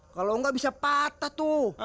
kalau nggak bisa patah tuh